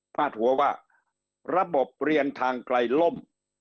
พาดหัวว่าระบบเรียนทางไกลล่ม